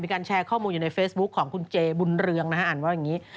มีการแชร์ข้อมูลอยู่ในเฟซบุ๊คของคุณเจบุญเรืองนะฮะอ่านว่าอย่างนี้